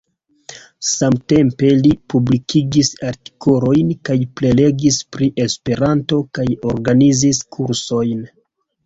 Samtempe li publikigis artikolojn kaj prelegis pri Esperanto kaj organizis kursojn.